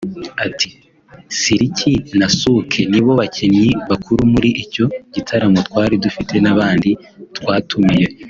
Ati “Siriki na Souké nibo bakinnyi bakuru muri icyo gitaramo twari dufite n’abandi twatumiye